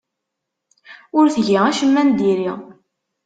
Ur tgi acemma n diri.